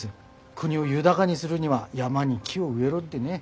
国を豊がにするには山に木を植えろってね。